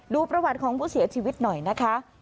ประวัติของผู้เสียชีวิตหน่อยนะคะ